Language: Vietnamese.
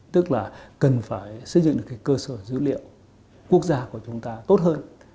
tức là cần phải xây dựng được cái cơ sở dữ liệu quốc gia của chúng ta tốt hơn